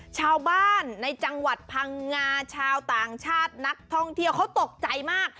ชาวบ้านในจังหวัดพังงาชาวต่างชาตินักท่องเที่ยวเขาตกใจมาก